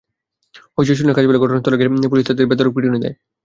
হইচই শুনে কাজ ফেলে ঘটনাস্থলে গেলে পুলিশ তাঁদের বেধড়ক পিটুনি দেয়।